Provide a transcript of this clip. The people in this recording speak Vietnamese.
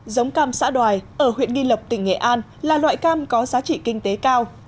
giống cam xã đoài ở huyện nghi lộc tỉnh nghệ an là loại cam có giá trị kinh tế cao